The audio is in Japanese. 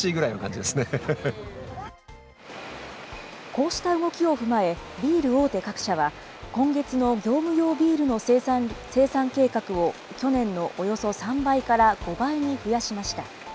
こうした動きを踏まえ、ビール大手各社は、今月の業務用ビールの生産計画を、去年のおよそ３倍から５倍に増やしました。